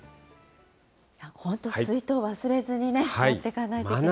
本当、水筒忘れずにね、持っていかないといけないです。